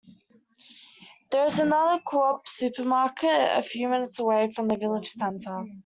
There is another Co-op supermarket a few minutes away from the village centre.